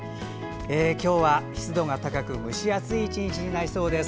今日は湿度が高く蒸し暑い１日になりそうです。